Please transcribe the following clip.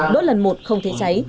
đốt lần một không thấy cháy